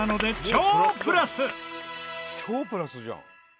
超プラスじゃん。